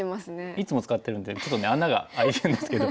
いつも使ってるんでちょっとね穴が開いてるんですけど。